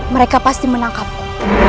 mereka pasti menangkapku